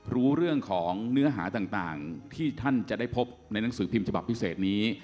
รู้เรื่องของเนื้อหาต่างที่ท่านจะได้พบในหนังสือพิมพ์ฉบับพิเศษนี้